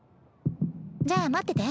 じゃあ待ってて。